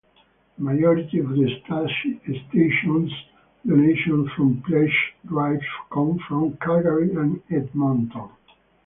The majority of the station's donations from pledge drives come from Calgary and Edmonton.